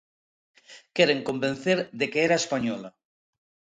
Queren convencer de que era española.